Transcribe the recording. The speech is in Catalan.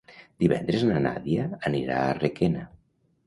Divendres na Nàdia anirà a Requena.